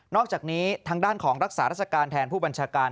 อกจากนี้ทางด้านของรักษาราชการแทนผู้บัญชาการ